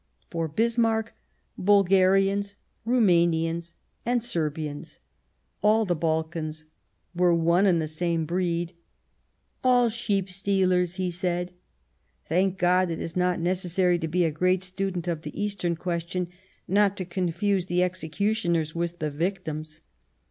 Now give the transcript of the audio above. For Bismarck, Bul garians, Rumanians and Serbians — all the Balkans —were one and the same breed ;" all sheep stealers," he said. Thank God ! it is not necessary to be a great student of the Eastern question not to confuse the executioners with the victims.